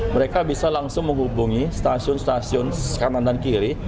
mereka bisa langsung menghubungi stasiun stasiun kanan dan kiri